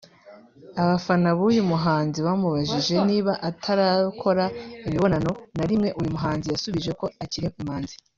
Abafana b’uyu muhanzi bamubajije niba atarakora imibonano na rimwe uyu muhanzi yasubije ko akiri imanzi